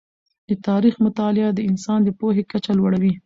د تاریخ مطالعه د انسان د پوهې کچه لوړوي.